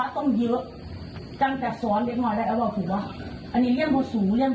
อัตตามากก็ยอมรับว่าอัตตามาอาจจะใช้แบบ